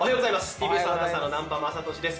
ＴＢＳアナウンサーの南波雅俊です。